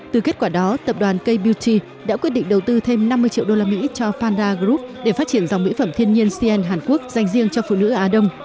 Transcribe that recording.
từ kết quả đó tập đoàn k beauty đã quyết định đầu tư thêm năm mươi triệu đô la mỹ cho panda group để phát triển dòng mỹ phẩm thiên nhiên cn hàn quốc dành riêng cho phụ nữ á đông